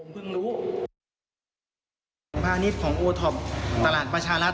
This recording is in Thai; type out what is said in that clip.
พาอันนี้ของโอทอปตลาดประชารัฐ